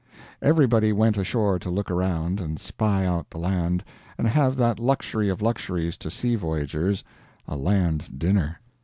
Everybody went ashore to look around, and spy out the land, and have that luxury of luxuries to sea voyagers a land dinner.